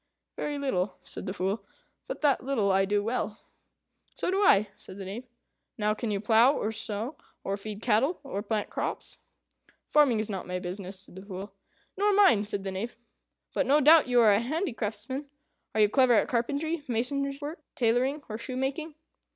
"Very little," said the Fool; "but that little I do well." "So do I," said the Knave. "Now can you plough, or sow, or feed cattle, or plant crops?" "Farming is not my business," said the Fool. "Nor mine," said the Knave; "but no doubt you are a handicraftsman. Are you clever at carpentry, mason's work, tailoring, or shoemaking?"